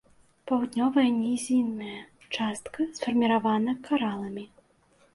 Паўднёвая нізінная частка сфарміравана караламі.